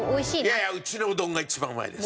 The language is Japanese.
いやいやうちのうどんが一番うまいです。